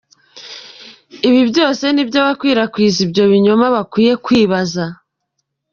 Ibi byose nibyo abakwirakwiza ibyo binyoma bakwiye kwibaza.